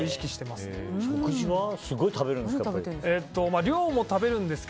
すごい食べるんですか。